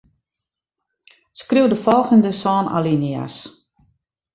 Skriuw de folgjende sân alinea's.